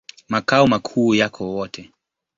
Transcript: Makao makuu yako Wote.